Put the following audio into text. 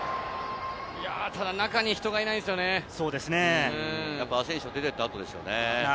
ただ中に人がいないんでアセンシオが出ていった後でしたよね。